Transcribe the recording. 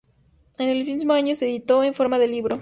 En el mismo año se editó en forma de libro.